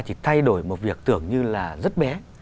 chỉ thay đổi một việc tưởng như là rất bé